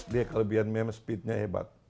dia kelebihan memang speednya hebat